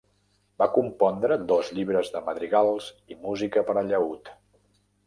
Va compondre dos llibres de madrigals i música per a llaüt.